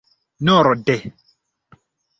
norde